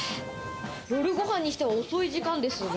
夜ご飯にしては遅い時間ですね。